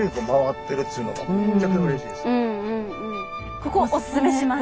ここおすすめします。